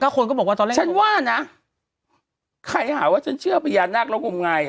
ก็คนก็บอกว่าตอนแรกฉันว่านะใครหาว่าฉันเชื่อประญาตินักรงค์งาน